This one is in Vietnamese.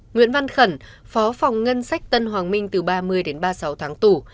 nguyễn văn khẩn phó phòng ngân sách tân hoàng minh từ ba mươi đến ba mươi sáu tháng tù